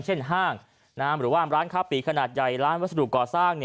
ห้างหรือว่าร้านค้าปีกขนาดใหญ่ร้านวัสดุก่อสร้าง